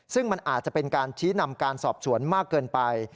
ซึ่งมันอาจจะเป็นการชี้นำการสอบสวนมากเกินไป